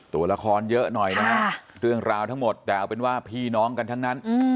ตัวละครเยอะหน่อยนะเรื่องราวทั้งหมดแต่เอาเป็นว่าพี่น้องกันทั้งนั้น